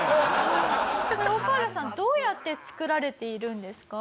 オオカワラさんどうやって作られているんですか？